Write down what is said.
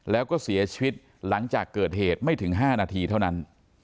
แล้วก็เสียชีวิตหลังจากเกิดเหตุไม่ถึง๕นาทีเท่านั้น